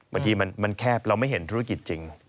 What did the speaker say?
บางทีมันแคบเราไม่เห็นธุรกิจจริง